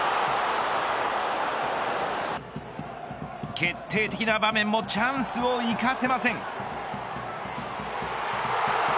決定的な場面もチャンスを生かせません。